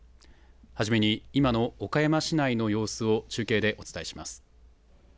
初めに今の岡山市内の様子を中継でお伝えします。